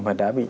mà đã bị